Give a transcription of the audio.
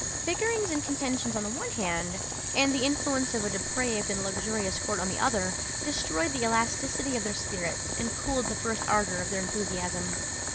Bickerings and contentions on the one hand, and the influence of a depraved and luxurious court on the other, destroyed the elasticity of their spirits, and cooled the first ardour of their enthusiasm.